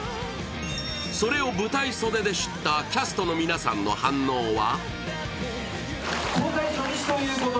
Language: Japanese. それを舞台袖で知ったキャストの皆さんの反応は？